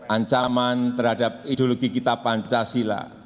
ancaman terhadap ideologi kita pancasila